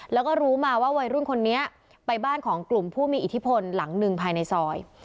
แล้วก็รู้มาว่าวัยรุ่นคนนี้ไปบ้านของกลุ่มผู้มีอิทธิพลหลังหนึ่งภายในซอย